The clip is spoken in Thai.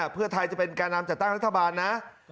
เพื่อไทยจะเป็นแก่นำจัดตั้งรัฐบาลนะ